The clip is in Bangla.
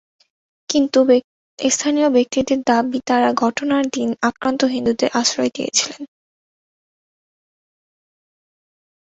কিন্তু স্থানীয় ব্যক্তিদের দাবি, তাঁরা ঘটনার দিন আক্রান্ত হিন্দুদের আশ্রয় দিয়েছিলেন।